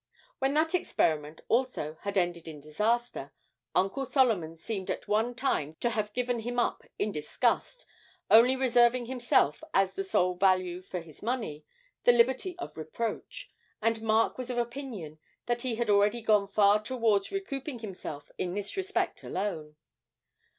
When that experiment also had ended in disaster, Uncle Solomon seemed at one time to have given him up in disgust, only reserving himself, as the sole value for his money, the liberty of reproach, and Mark was of opinion that he had already gone far towards recouping himself in this respect alone.